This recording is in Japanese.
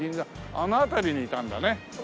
あの辺りにいたんだね。